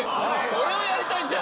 それをやりたい！